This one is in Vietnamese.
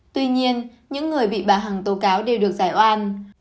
tuy nhiên những người bị bà hằng tố cáo đều được giải oan